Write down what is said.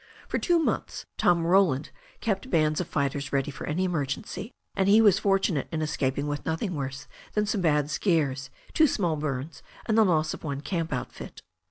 For two months Tom Roland kept bands of fighters ready for any emergency, and he was fortunate in escaping with nothing worse than some bad scares, two small bums, and the loss of one camp outfit.